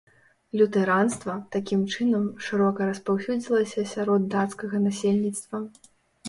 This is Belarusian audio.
Лютэранства, такім чынам, шырока распаўсюдзілася сярод дацкага насельніцтва.